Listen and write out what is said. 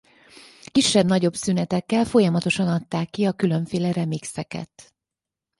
Kisebb-nagyobb szünetekkel folyamatosan adták ki a különféle remixeket.